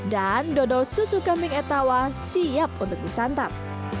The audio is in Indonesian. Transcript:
dan dodol susu kambing etawa siap untuk disantap